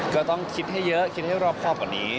ก็ต้องคิดให้เยอะคิดให้รอบครอบกว่านี้